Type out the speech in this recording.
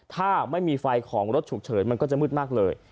ถ้าไม่มีไฟของรถฉุกเฉินมันก็จะมืดมากเลย